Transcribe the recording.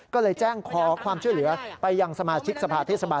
ก็เลยแจ้งขอความช่วยเหลือไปยังสมาชิกสภาเทศบาล